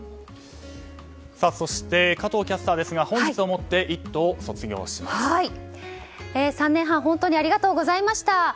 そして加藤キャスターですが本日をもって３年半本当にありがとうございました。